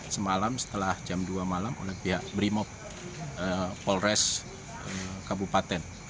semalam setelah jam dua malam oleh pihak brimob polres kabupaten